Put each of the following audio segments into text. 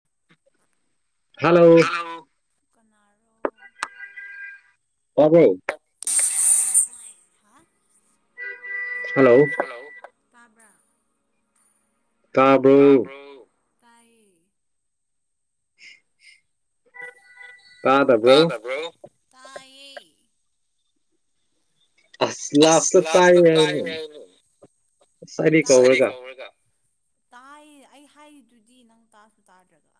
[inaudible] hello ꯀꯅꯥꯔꯣ ꯇꯥꯕ꯭ꯔꯣ [unintelligible] hello ꯇꯥꯕ꯭ꯔ ꯇꯥꯕ꯭ꯔꯣ [unintelligible] ꯇꯗꯕ꯭ꯔꯣ ꯑꯂ ꯑꯇ ꯇꯥꯏ ꯁꯥꯔꯤ ꯀꯋꯒ ꯇꯥꯏ ꯑꯩ ꯍꯥꯏꯔꯤꯗꯨꯗꯤ ꯅꯪ ꯇꯥꯁꯨ ꯇꯥꯗ꯭ꯔꯒ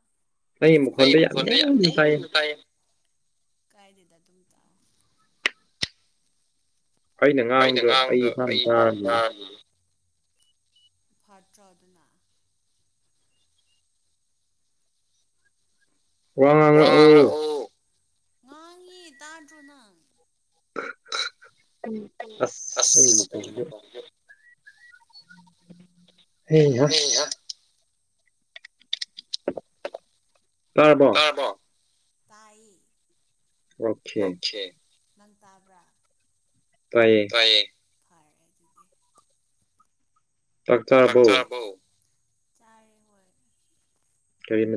ꯑꯩ ꯃꯣꯟꯗ ꯌꯥ ꯇ ꯀꯥꯏꯗ ꯇ ꯇ ꯑꯩꯅ ꯉꯥꯡꯕꯗꯣ ꯑꯩ ꯏꯁꯥ ꯇꯥꯅꯤ ꯐꯠꯇ꯭ꯔꯥ ꯑꯗꯨꯅ ꯋꯥ [unintelligible] ꯑꯣ ꯉꯥꯡꯉꯤ ꯇꯥꯥꯟꯥꯟꯕ꯭ꯔꯣꯅ ꯑꯁ ꯃ ꯍꯩ ꯍ ꯇꯥꯔꯔꯕꯣ ꯇꯥꯔꯕꯣ ꯇꯥꯏꯌꯦ ꯑꯣꯈꯦ ꯅꯪ ꯇꯥꯕ꯭ꯔꯥ ꯇꯥꯏꯌꯦ ꯇꯥꯏꯌꯦ [unintelligible] ꯆꯥꯛ ꯆꯥꯔꯕꯧ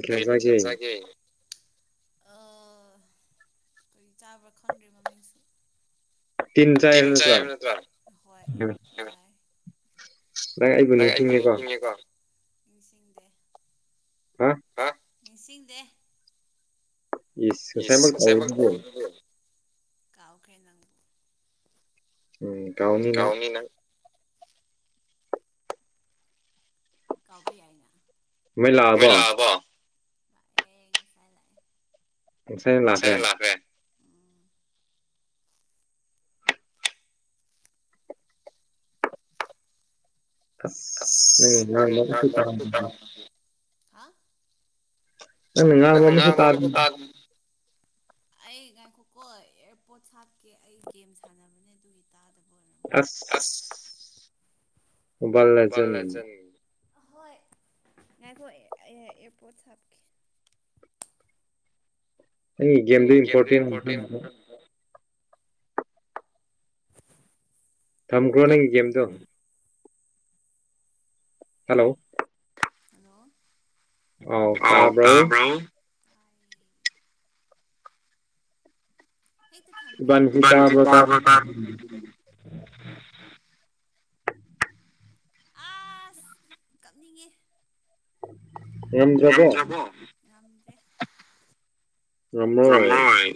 ꯀꯔꯤ ꯃꯊꯦꯜ ꯆꯒꯦ ꯑ ꯀꯔꯤ ꯆꯥꯕ꯭ꯔꯥ ꯈꯪꯗ꯭ꯔꯦ ꯃꯃꯤꯡꯁꯨ ꯇꯤꯟ ꯆ ꯆ ꯋꯥ ꯂꯥꯏ ꯑꯩꯕꯨꯅꯤ ꯆꯤꯡꯉꯦꯀꯣ ꯅꯤꯡꯁꯤꯡꯗꯦ ꯍꯥ ꯅꯤꯡꯁꯤꯡꯗꯦ ꯏꯁ ꯉꯁꯥꯏꯃꯛ ꯇꯧꯕꯗꯨꯗꯤ ꯀꯥꯎꯈ꯭ꯔꯦ ꯅꯪ ꯎꯨꯝ ꯀꯥꯎꯅꯤ ꯅꯪ ꯀꯥꯎꯕ ꯌꯥꯏꯅ ꯃꯩ ꯂꯥꯛꯑꯕꯣ ꯉꯁꯥꯏꯅ ꯂꯥꯛꯈ꯭ꯔꯦ ꯑꯁ ꯅꯪꯅ ꯉꯥꯡꯕ ꯑꯃꯇꯁꯨ ꯇꯥꯗꯦ ꯍꯥ ꯅꯪꯅ ꯉꯥꯡꯕ ꯑꯃꯇ ꯇꯥꯗꯦ ꯑꯩ ꯉꯥꯏꯈꯣꯀꯣ ꯑꯦꯌꯥꯔꯄꯣꯠ ꯍꯥꯞꯀꯦ ꯑꯩ ꯒꯦꯝ ꯁꯥꯟꯅꯕꯅꯦ ꯑꯗꯨꯒꯤ ꯑꯥꯁ ꯃꯣꯕꯥꯜ ꯂꯦꯖꯟ ꯍꯣꯏ ꯉꯥꯏꯈꯣ ꯑꯦꯌꯥꯄꯣꯠꯁ ꯍꯥꯞꯀꯦ ꯑꯩ ꯒꯦꯝꯗꯣ ꯏꯝꯄꯣꯔꯇꯦꯟ ꯑꯣꯏꯅ [unintelligible] ꯈꯪ ꯊꯝꯈ꯭ꯔꯣ ꯅꯪꯒꯤ ꯒꯦꯝꯗꯣ ꯍꯜꯂꯣ ꯑꯥꯎ ꯇꯥꯕ꯭ꯔꯣ ꯏꯕꯥꯟꯅꯤꯁꯤ ꯇꯥꯕ [unintelligible] ꯇꯥꯔ ꯑꯥꯁ ꯀꯞꯅꯤꯡꯉꯦ ꯉꯝꯗ꯭ꯔꯕꯣ ꯉꯝꯗ꯭ꯔꯦ ꯉꯝꯃꯣꯏ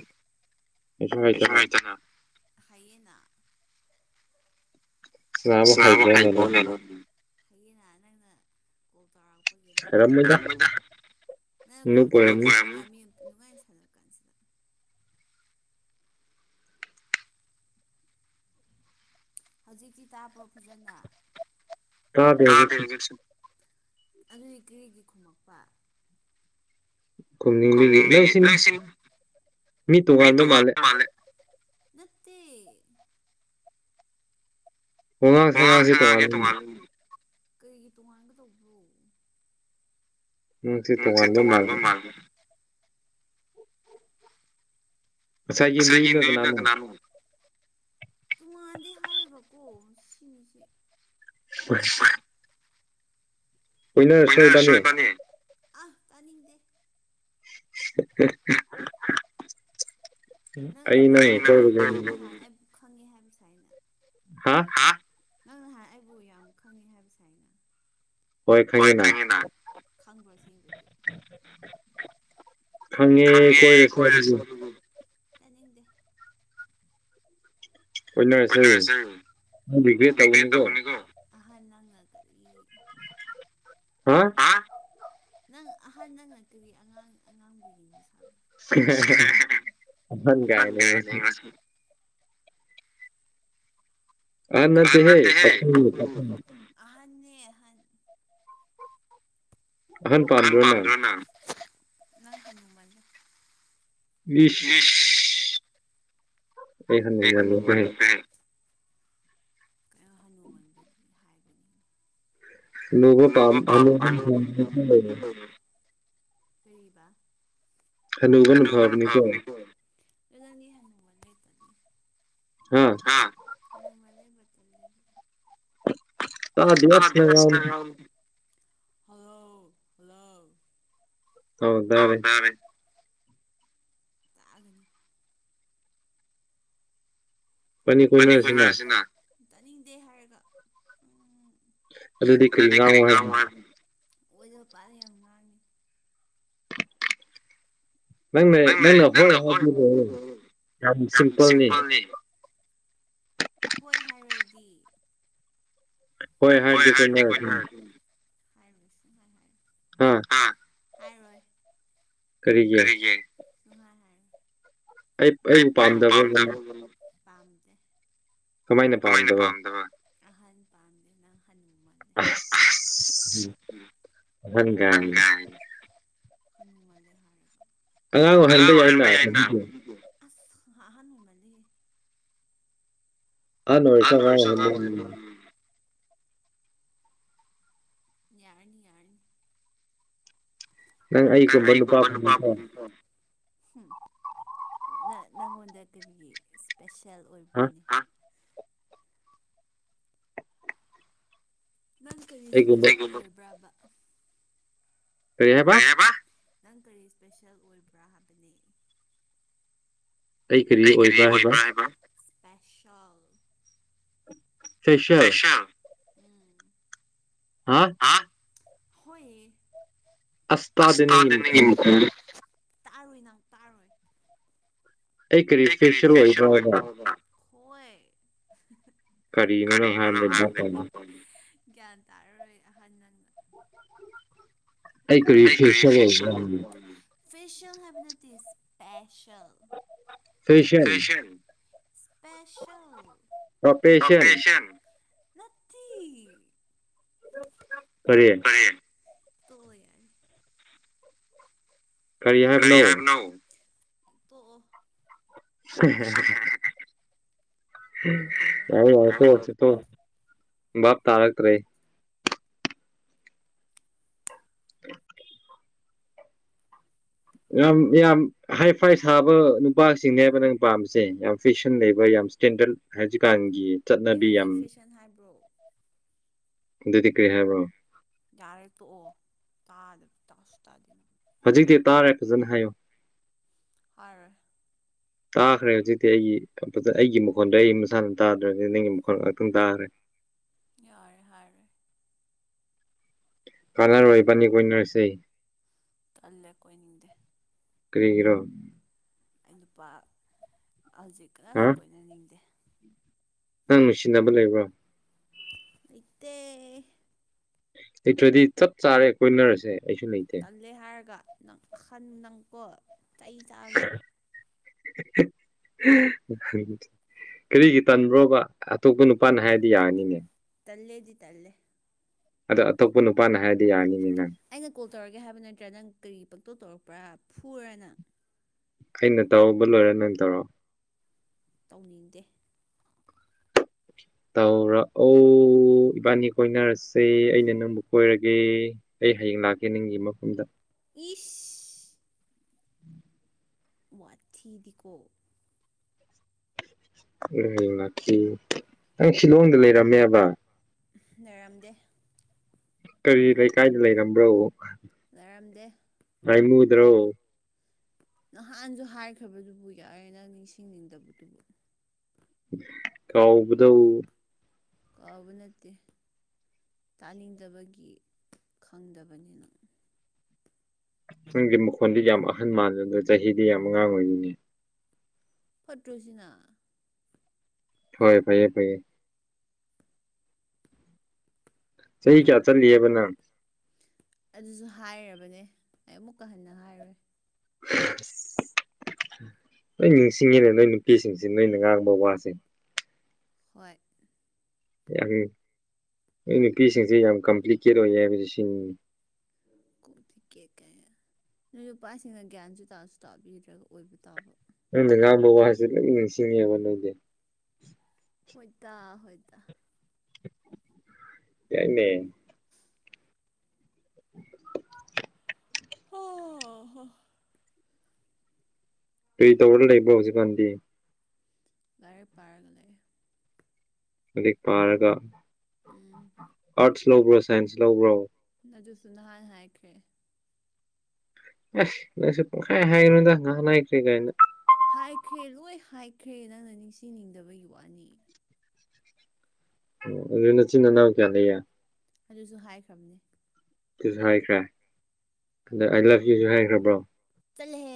ꯍꯥꯏꯁꯨ ꯍꯩꯇꯅ ꯍꯥꯏꯌꯦꯅ ꯁꯥꯟꯅꯕ ꯍꯥꯏꯌꯦ [unintelligible] ꯅꯪ ꯍꯩꯔꯝꯃꯣꯏꯗ [inaudible] ꯍꯧꯖꯤꯛꯇꯤ ꯇꯥꯕ꯭ꯔꯣ ꯐꯖꯅ ꯑꯗꯨꯗꯤ ꯀꯔꯤꯒꯤ ꯈꯨꯝꯃꯛꯄ ꯈꯨꯝꯅꯤꯡꯕꯒꯤ ꯅꯪꯁꯤ ꯃꯤ ꯇꯨꯡꯉꯥꯟꯕ ꯃꯥꯜꯂꯦ ꯅꯠꯇꯦ ꯋꯥꯉꯥꯡ ꯁꯉꯥꯡ ꯋꯥꯉꯥꯡ ꯁꯉꯥꯡꯁꯦ ꯇꯣꯉꯥꯜꯂꯦ ꯅꯪꯁꯤ ꯇꯣꯉꯥꯟꯕ ꯃꯥꯜꯂꯤ ꯉꯥꯁꯥꯏꯒꯤꯃꯤꯗꯨꯅ ꯀꯅꯥꯅꯣ ꯀꯄꯨ ꯁꯤꯃꯤꯁꯤ [unintelligible] ꯍ [unintelligible] ꯀꫭꯏꯅꯔꯁꯤꯔꫭ ꯏꯕꯅꯤ ꯑꯩ ꯅꯪ [inaudible] ꯈꯪꯉꯦ ꯍꯥꯏꯕ ꯉꯁꯥꯏꯅ ꯍꯥ ꯅꯪ ꯅꯍꯥꯟ ꯑꯩꯕꯨ ꯌꯥꯝ ꯈꯪꯉꯦ ꯍꯥꯏꯕ ꯁꯥꯏꯅ ꯍꯣꯏ ꯈꯪꯉꯤꯅ ꯈꯪꯕ꯭ꯔꯣꯏ ꯑꯁꯦꯡꯕꯒꯤ ꯈꯪꯉꯦ ꯀꯣꯔꯁꯦ ꯑꯗꯨꯒꯤ ꯇꯅꯤꯡꯗ‌ꯦ ꯀꯣꯏꯅꯔꯁꯦ ꯅꯪ ꯔꯤꯒ꯭ꯔꯦꯠ ꯇꯧꯒꯅꯤꯀꯣ ꯑꯍꯟ ꯅꯪꯅ ꯀꯔꯤ ꯍꯥ ꯅꯪ ꯑꯍꯟ ꯅꯪꯅ ꯀꯔꯤ ꯑꯉꯥꯡ ꯑꯉꯥꯡꯕꯨ [unintelligible] ꯌꯦꯡ ꯁꯥ ꯍ ꯍ ꯍ ꯑꯍꯟ ꯀꯥꯏ ꯑꯩꯉꯣꯟꯗ ꯑꯍꯟ ꯅꯠꯇꯍꯦ ꯄꯥꯈꯪꯅꯤ ꯄꯥꯈꯪ ꯑꯍꯟꯅꯦ ꯑꯍꯟ ꯑꯍꯟ ꯄꯥꯝꯗ꯭ꯔꯣ ꯅꯪ ꯅꯪ ꯍꯅꯨꯃꯜꯂꯦ ꯏꯤꯁ ꯑꯩ ꯍꯅꯨꯃꯟꯂꯤ ꯀꯥꯏ ꯀꯌꯥ [unintelligible] ꯀꯔꯤꯕ ꯍꯅꯨꯕꯅ‌ ꯐꯕꯅꯤꯀ‌ꫭ ꯑꯗꫭ ꯅꯪꯗꯤ ꯍꯅꯨ ꯃꯜꯂ‌ꯦ ꯇꯟꯂ‌ꯦ ꯍꯥꯥ ꯑ [unintelligible] ꯍꯜꯂꯣ ꯍꯜꯂꯣ ꯑꯧ ꯇꯔ‌ꯦ ꯑꯗꯨꯅꯤ ꯐꯅꯤ ꯀꯣꯏꯅꯔꯁꯤꯅ ꯇꯥꯅꯤꯡꯗꯦ ꯍꯥꯏꯔꯒ ꯎꯝ ꯑꯗꯨꯗꯤ ꯀꯔꯤ ꯉꯥꯡꯉꯨ ꯍꯥꯏꯕꯔꯥ ꯑꫭꯏꯗ ꯐꯗꯕꯥ ꯌꯥꯝ ꯉꯥꯡꯉꯤ ꯅꯪꯅ ꯅꯪꯅ ꯍꯣꯏ ꯍꯥꯏꯕꯤꯔ ꯌꯥꯝ ꯁꯤꯝꯄꯜꯅꯤ ꯍꯣꯏ ꯍꯥꯏꯔꯗꯤ ꯍꯣꯏ ꯍꯥꯏꯕꯗꯤꯀꯣ ꯅꯣꯏ ꯎꯝ ꯍꯥ ꯀꯔꯤꯒꯤ ꯑꯩ ꯑꯩꯕꯨ ꯄꯥꯝꯗꯕꯔꯕ ꯅꯪ ꯄꯥꯝꯗꯦ ꯀꯃꯥꯏꯅ ꯄꯥꯝꯗꯕ ꯑꯁ ꯑꯍꯟ ꯒꯥꯏꯅꯤ [unintelligible] ꯑꯍꯟ ꯑꯣꯏꯔꯁꯨ ꯑꯉꯥꯡ ꯑꯣꯏꯍꯟꯕ ꯉꯝ ꯌꯥꯔꯅꯤ ꯌꯥꯔꯅꯤ ꯅꯪ ꯑꯩꯒꯨꯝꯕ ꯅꯨꯄꯥ ꯐꯪꯉꯨꯀꯣ [unintelligible] [unintelligible] ꯀꯔꯤ ꯍꯥꯏꯕ ꯀꯩ ꯍꯥꯏꯕ ꯅꯪ ꯀꯔꯤ ꯏꯁꯄꯦꯁꯦꯜ ꯑꯣꯏꯕ꯭ꯔꯥ ꯍꯥꯏꯕꯅꯦ ꯑꯩ ꯀꯔꯤ ꯑꯣꯏꯕ꯭ꯔꯥ ꯍꯥꯏꯕ ꯁꯦꯁꯦꯜ ꯍꯥ [unintelligible] ꯇꯥꯔꯣꯏ ꯅꯪ ꯇꯥꯔꯣꯏ ꯑꯩ ꯀꯔꯤ ꯐꯦꯁꯦꯜ ꯑꯣꯏꯕꯔ ꯍꯥꯏꯕ [unintelligible] ꯒ꯭ꯌꯥꯟ ꯇꯥꯔꯔꯣꯏ ꯑꯍꯟ ꯅꯪꯅ ꯑꯩ ꯀꯔꯤ ꯐꯦꯁꯦꯜ ꯑꯣꯏꯕꯔ ꯐꯦꯁꯦꯜ ꯁꯄꯦꯁꯦꯜ ꯑꯣꯄꯦꯁꯤꯌꯟ ꯇꯤ ꯀꯔꯤ [unintelligible] ꯀꯔꯤ ꯍꯥꯏꯕꯅꯣ ꯇꯣꯛꯑꯣ [unintelligible] ꯌꯥꯔꯦ ꯌꯥꯔꯦ ꯇꯣꯛꯑꯁꯦ ꯇꯣ ꯚꯥꯕ ꯇꯥꯔꯛꯇ꯭ꯔꯦ [inaudible] ꯌꯥꯝ ꯌꯥꯝ ꯍꯥꯏꯐꯥꯏ ꯁꯥꯕ ꯅꯨꯄꯥꯁꯤꯡꯅꯦꯕ ꯅꯪ ꯄꯥꯝꯃꯤꯁꯦ ꯌꯥꯝ ꯐꯦꯁꯟ ꯂꯩꯕ ꯌꯥꯝ ꯇꯦꯟꯗꯜ ꯍꯥꯏꯖꯤꯀꯥꯟꯒꯤ ꯑꯩ ꯍꯧꯖꯤꯛ ꯐꯦꯁꯟ ꯍꯥꯏꯕ꯭ꯔꯣ ꯑꯗꯨꯗꯤ ꯀꯔꯤ ꯍꯥꯏꯕꯔꯣ ꯌꯥꯔꯦ ꯇꯣꯛꯑꯣ ꯇꯥꯗ ꯇꯥꯁꯨ ꯇꯥꯗꯦꯅ ꯍꯧꯖꯤꯛꯇꯤ ꯇꯥꯔꯦ ꯐꯖꯅ ꯍꯥꯏꯌꯣ ꯍꯥꯏꯔꯣꯏ [inaudible] ꯇꯥꯈ꯭ꯔꯦ ꯍꯧꯖꯤꯛꯇꯤ ꯑꯩꯒꯤ ꯑꯩꯒꯤ ꯃꯈꯣꯟꯗꯩ ꯑꯩ ꯃꯁꯥꯅ ꯇꯥꯗ꯭ꯔꯗꯤ ꯅꯪꯒꯤ ꯃꯈꯣꯟ ꯉꯛꯇꯪ ꯇꯥꯈ꯭ꯔꯦ ꯌꯥꯔꯦ ꯍꯥꯏꯔꯣꯏ ꯀꯥꯟꯅꯔꯣꯏ ꯏꯕꯥꯅꯤ ꯀꯣꯏꯅꯔꯁꯦ ꯇꯜꯂꯦ ꯀꯣꯏꯅꯤꯡꯗꯦ ꯀꯔꯤꯒꯤꯔꯣ ꯑꯩ ꯅꯨꯄꯥ ꯍꯧꯖꯤꯛ ꯀꯅꯥꯁꯨ ꯀꯣꯏꯅꯅꯤꯡꯗꯦ ꯅꯪ ꯅꯨꯡꯁꯤꯅꯕ ꯂꯩꯕ꯭ꯔꯣ ꯂꯩꯇꯦ ꯑꯩꯇ꯭ꯔꯗꯤ ꯆꯞ ꯆꯥꯔꯦ ꯀꯣꯏꯅꯔꯁꯦ ꯑꯩꯁꯨ ꯂꯩꯇꯦ ꯈꯜꯂꯦ ꯍꯥꯏꯔꯒ ꯅꯪ ꯑꯟ ꯅꯪꯀꯣ ꯆꯩ ꯆꯥꯕꯅꯤ [unintelligible] ꯀꯔꯤꯒꯤ ꯇꯟꯕ꯭ꯔꯣꯕ ꯑꯇꯣꯞꯄ ꯅꯨꯄꯥꯅ ꯍꯥꯏꯔꯗꯤ ꯌꯥꯒꯅꯤꯅꯦ ꯇꯜꯂꯗꯤ ꯇꯜꯂꯦ ꯑꯗꯣ ꯑꯇꯣꯞꯄ ꯅꯨꯄꯥꯅ ꯍꯥꯏꯔꯗꯤ ꯌꯥꯅꯤꯅꯤ ꯅꯪ ꯑꯩꯅ ꯀꯣꯜ ꯇꯧꯔꯒꯦ ꯍꯥꯏꯕ ꯅꯠꯇ꯭ꯔꯥ ꯅꯪ ꯀꯔꯤ ꯄꯛꯇꯧ ꯇꯧꯔꯛꯄ꯭ꯔꯥ ꯐꯨꯔꯅ ꯑꯩꯅ ꯇꯧꯔꯧꯕ ꯂꯣꯏꯔꯦ ꯅꯣꯏꯅ ꯇꯧꯔꯣꯑꯣ ꯇꯧꯅꯤꯡꯗꯦ ꯇꯧꯔꯛꯑꯣ ꯏꯕꯥꯅꯤ ꯀꯣꯏꯅꯔꯁꯦ ꯑꯩꯅ ꯅꯪꯕꯨ ꯀꯣꯏꯔꯒꯦ ꯑꯩ ꯍꯌꯦꯡ ꯂꯥꯛꯀꯦ ꯅꯒꯤ ꯃꯐꯝꯗ ꯏꯁ [inaudible] [unintelligible] ꯋꯥꯊꯤꯗꯤꯀꯣ [unintelligible] ꯅꯪ ꯁꯤꯂꯣꯡꯗ ꯂꯩꯔꯝꯃꯦꯕ ꯂꯩꯔꯝꯗꯦ ꯀꯔꯤ ꯂꯩꯀꯥꯏꯗ ꯂꯩꯔꯝꯕ꯭ꯔꯣ ꯂꯩꯔꯝꯗꯦ ꯃꯥꯏꯃꯨꯗ꯭ꯔꯣ ꯅꯍꯥꯟꯁꯨ ꯍꯥꯏꯈ꯭ꯔꯕꯗꯨꯕꯨ ꯌꯥꯏꯦ ꯅꯪ ꯅꯤꯡꯁꯤꯡꯅꯤꯡꯗꯕꯗꯨꯕꯨ ꯀꯥꯎꯕꯨꯗ ꯀꯥꯎꯕ ꯅꯠꯇꯦ ꯇꯥꯅꯤꯡꯗꯕꯒꯤ ꯈꯪꯗꯕꯅꯤꯅꯪ ꯅꯪꯗꯤ ꯃꯈꯣꯟꯗꯤ ꯌꯥꯝ ꯑꯍꯟ ꯃꯜꯂꯦꯗꯣ ꯆꯍꯤꯗꯤ ꯌꯥꯝ ꯑꯉꯥꯡ ꯑꯣꯏꯔꯤꯅꯦ ꯐꯠꯇ꯭ꯔꯨꯁꯤꯅ ꯍꫭꯏ ꯐꯩꯌꯦ ꯐꯩꯌꯦ ꯆꯍꯤ ꯀꯌꯥ ꯆꯠꯂꯤꯌꯕ ꯅꯪ ꯑꯗꯨꯁꯨ ꯍꯥꯏꯔꯕꯅꯦ ꯑꯩ ꯑꯃꯨꯛꯀ ꯍꯟꯅ ꯍꯥꯏꯔꯣꯏ [unintelligible] ꯂꫭꯏ ꯅꯤꯡꯁꯤꯡꯉꯤꯅꯦ ꯅꯣꯏ ꯅꯨꯄꯤꯁꯤꯡꯁꯦ ꯅꯣꯏꯅ ꯉꯥꯡꯕ ꯋꯥꯁꯦ ꯍꯣꯏ ꯌꯥꯝ ꯅꫭꯏ ꯅꯨꯄꯤꯁꯤꯡꯁꯦ ꯌꯥꯝ ꯀꯝꯄ꯭ꯂꯤꯀꯦꯠ ꯑꯣꯏꯌꯦ ꯍꯥꯏꯕꯗꯤ ꯁꯤ ꯀꯝꯄꯂꯤ [unintelligible] ꯅꫭꯏ ꯅꯨꯄꯥꯁꯤꯡꯅ ꯒ꯭ꯌꯥꯟꯁꯨ ꯇꯥꯁꯨ ꯇꯥꯕꯤꯗ꯭ꯔꯒ ꯑꯣꯏꯕ ꯇꯥꯕ ꯅꯪꯅ ꯉꯥꯡꯕ ꯋꯥꯁꯦ ꯂꯣꯏ ꯅꯤꯡꯁꯤꯡꯉꯦꯕ ꯑꯩ ꯅꯣꯏꯗꯤ ꯍꯣꯏꯇꯥ ꯍꯣꯏꯇꯥ ꯌꯥꯏꯅꯦ [unintelligible] [unintelligible] ꯀꯩ ꯇꯧꯔ ꯂꯩꯕ꯭ꯔ ꯍꯧꯖꯤꯛꯀꯥꯟꯗꯤ ꯂꯥꯏꯔꯤꯛ ꯄꯥꯔꯒ ꯂꯩ ꯑꯛ ꯄꯥꯔꯒ ꯑꯥꯔꯠꯁ ꯂꯧꯕ꯭ꯔꯣ ꯁꯥꯏꯟꯁ ꯂꯧꯕ꯭ꯔꯣ ꯑꯗꯨꯁꯨ ꯅꯍꯥꯟ ꯍꯥꯏꯈ꯭ꯔꯦ ꯑꯁ ꯅꯪꯁꯨ ꯄꯨꯡꯈꯥꯏ ꯍꯥꯏꯈ꯭ꯔꯣꯏꯗ ꯅꯍꯥꯟ ꯍꯥꯏꯈ꯭ꯔꯤ ꯀꯥꯏꯅ ꯍꯥꯏꯈ꯭ꯔꯦ ꯂꯣꯏ ꯍꯥꯏꯈ꯭ꯔꯦ ꯅꯪꯅ ꯅꯤꯡꯁꯤꯡꯅꯤꯡꯗꯕꯒꯤ ꯋꯥꯅꯤ ꯑꯗꯨꯅ ꯆꯤꯡꯅꯅꯥꯎ ꯀꯌꯥꯂꯩ ꯑꯗꯨꯁꯨ ꯍꯥꯏꯈ꯭ꯔꯕꯅꯦ ꯑꯗꯨꯁꯨ ꯍꯥꯏꯈ꯭ꯔꯦ ꯑꯗꯨ ꯑꯩ ꯂꯞ ꯌꯨꯁꯨ ꯍꯥꯏꯈ꯭ꯔꯕ꯭ꯔꯣ ꯆꯠꯂꯦꯍꯦ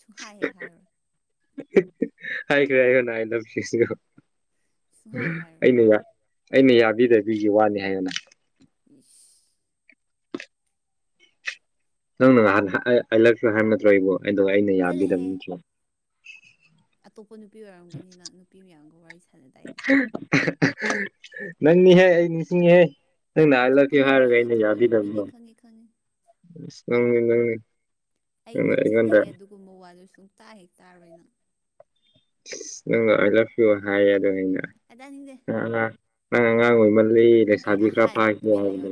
ꯁꯨꯡꯈꯥꯏꯍꯦ ꯍꯥꯏꯥꯔꯨꯔꯦ ꯍꯥꯏꯈꯔꯦ ꯍꯥꯏ [unintelligible] ꯑꯩꯅ ꯑꯩꯅ ꯌꯥꯕꯤꯗꯕꯤꯒꯤ ꯋꯥꯅꯤ ꯍꯥꯏꯕꯅ ꯏꯁ ꯅꯪꯅ ꯅꯍꯥꯟ ꯍꯥꯏꯜꯂꯛꯁꯨ ꯍꯥꯏꯔꯝ ꯅꯠꯇ꯭ꯔꯣ ꯑꯩꯕꯨꯣ ꯑꯗꯣ ꯑꯩꯅ ꯌꯥꯈꯤꯗꯕ ꯅꯠꯇ꯭ꯔꯣ ꯑꯇꯣꯞꯄ ꯅꯨꯄꯤ ꯑꯣꯏꯔꯝꯒꯅꯤ ꯅꯪ ꯅꯨꯄꯤ ꯃꯌꯥꯝꯒ ꯋꯥꯔꯤ ꯁꯥꯟꯅꯗꯥꯏꯅꯦ ꯅꯪꯅꯤꯍꯦ ꯑꯩ ꯅꯤꯡꯁꯤꯡꯉꯤꯍꯦ ꯑꯇꯣꯞꯄꯅꯕꯤꯅꯦ ꯑꯇꯣꯞꯄꯅ ꯅꯨ ꯕꯤꯅꯦ ꯈꯪꯉꯦ ꯈꯪꯉꯦ ꯅꯪꯅꯤ ꯅꯪꯅꯤ ꯑꯩ ꯏꯆꯤꯟꯗꯒꯤ ꯑꯗꯨꯒꯨꯝꯕ ꯋꯥꯗꯨꯣ ꯁꯨꯡꯇꯥꯛ ꯍꯦꯛ ꯇꯥꯔꯣꯏ ꯅꯪ ꯅꯪ ꯂ ꯂꯞꯄꯤꯌꯨ ꯍꯥꯏꯌꯦ ꯑꯣ ꯑꯩꯅ ꯑ ꯅꯤꯡꯒ ꯅꯪ ꯑꯉꯥꯡ ꯑꯣꯏꯃꯜꯂꯤ ꯂꯩꯁꯥꯗꯤ ꯈꯔ ꯐꯥꯏ ꯍꯥꯏꯕ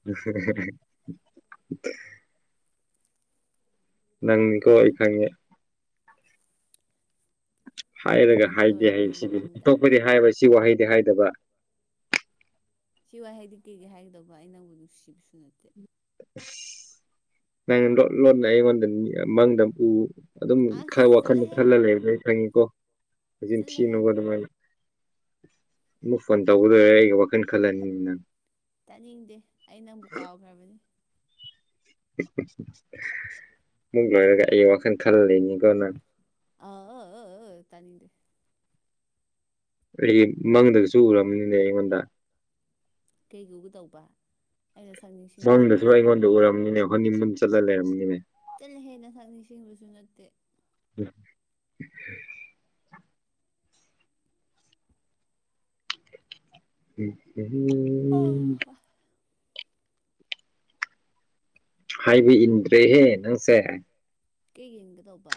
ꯎ ꯅꯪ ꯃꯤꯀꯣ ꯑꯩ ꯈꯪꯉꯦ ꯍꯥꯏꯔꯒ ꯍꯥꯏꯗꯦ ꯍꯌꯦ ꯁꯤꯗꯤ ꯑꯣꯟꯇꯣꯛꯄꯗꯤ ꯍꯥꯏꯕ ꯁꯤ ꯋꯥꯍꯩꯗꯤ ꯍꯥꯏꯗꯕ ꯁꯤ ꯋꯥꯍꯩꯗꯤ ꯀꯩꯒꯤꯩ ꯍꯥꯏꯒꯗꯧꯕ ꯑ ꯅꯪꯕꯨ ꯅꯨꯡꯁꯤꯕꯁꯨ ꯅꯠꯇꯦ ꯅꯪ ꯂꯣꯠ ꯂꯣꯟꯠꯅ ꯑꯩꯉꯣꯟꯗꯅꯤ ꯃꯪꯗ ꯄ ꯑꯗꯨꯝ ꯈꯔ ꯋꯥꯈꯜꯗ ꯊꯜꯂ ꯂꯩꯕ ꯑꯩ ꯈꯪꯉꯤꯀꯣ ꯍꯛꯆꯤꯟ ꯊꯤꯅꯨꯅꯕ ꯑꯗꯨꯃꯥꯏꯅ ꯑꯃꯨꯛ ꯐꯣꯟ ꯇꯧꯒꯗꯔꯦ ꯑꯩꯒꯤ ꯋꯥꯈꯜ ꯈꯜꯂꯅꯤ ꯅꯪ ꯇꯥꯅꯤꯡꯗꯦ ꯑꯩ ꯅꯪꯕꯨ ꯀꯥꯎꯈ꯭ꯔꯕꯅꯤ ꯃꯨꯛ ꯂꯣꯏꯔꯒ ꯑꯩ ꯋꯥꯈꯜ ꯈꯜꯜꯂꯤꯅꯦꯀꯣ ꯅ ꯑ ꯇꯅꯤꯗꯦ ꯑꯩꯒꯤ ꯃꯪꯗꯒꯁꯨ ꯎꯔꯝꯃꯤꯅꯤꯅꯦ ꯑꯩꯉꯣꯟꯗ ꯀꯩꯒꯒꯗꯧꯕ ꯑ ꯁꯅꯤꯁ ꯃꯪꯗꯁꯨ ꯑꯩꯉꯣꯟꯗ ꯎꯔꯝꯅꯤꯅꯦ ꯍꯣꯔꯅꯤꯡ ꯃꯨꯟ ꯆꯠꯂ ꯂꯩꯔꯝꯅꯤꯅꯦ ꯅ ꯍꯦꯟꯅ ꯁꯛꯅꯤꯡ ꯁꯁꯤꯡꯕꯁꯨ ꯅꯠꯇꯦ ꯎꯝ ꯎ [unintelligible] ꯍꯣꯏ ꯍꯣꯏ ꯍꯥꯏꯕ ꯏꯟꯗ꯭ꯔꯦꯍꯦ ꯅꯪꯁꯦ ꯀꯩ ꯌꯦꯡꯒꯗꯧꯕ